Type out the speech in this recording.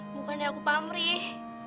bukannya aku pamrih